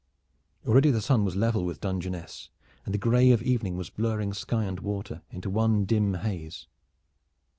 Already the sun was level with Dungeness, and the gray of evening was blurring sky and water into one dim haze.